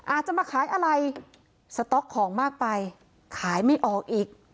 อาจจะมาขายอะไรสต๊อกของมากไปขายไม่ออกอีก